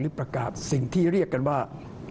ประกาศสิ่งที่เรียกกันว่า